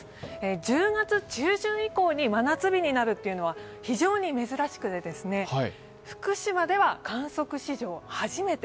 １０月中旬以降に真夏日になるというのは非常に珍しくて福島では観測史上初めて。